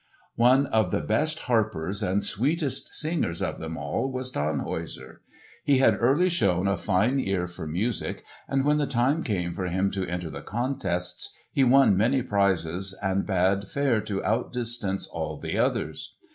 One of the best harpers and sweetest singers of them all was Tannhäuser. He had early shown a fine ear for music, and when the time came for him to enter the contests, he won many prizes and bade fair to outdistance all the others.